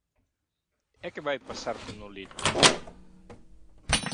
E que vai pasar con Nolito?